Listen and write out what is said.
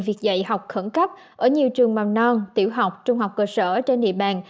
việc dạy học khẩn cấp ở nhiều trường mầm non tiểu học trung học cơ sở trên địa bàn